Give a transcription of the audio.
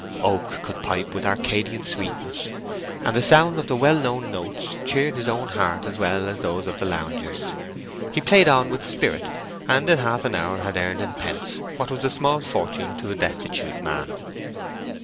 Oak could pipe with Arcadian sweetness, and the sound of the well known notes cheered his own heart as well as those of the loungers. He played on with spirit, and in half an hour had earned in pence what was a small fortune to a destitute man.